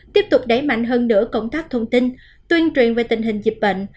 tiếp tục đẩy mạnh hơn nữa công tác thông tin tuyên truyền về tình hình dịch bệnh